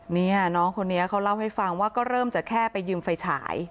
นี่น้องคนนี้เขาเล่าให้ฟังว่าก็เริ่มจะแค่ไปยืมไฟฉาย